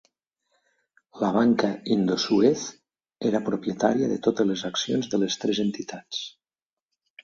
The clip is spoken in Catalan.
La banca Indosuez era propietària de totes les accions de les tres entitats.